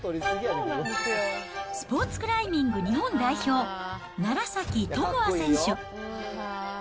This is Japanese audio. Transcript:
スポーツクライミング日本代表、楢崎智亜選手。